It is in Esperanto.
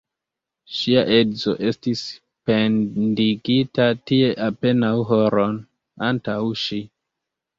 Ŝia edzo estis pendigita tie apenaŭ horon antaŭ ŝi.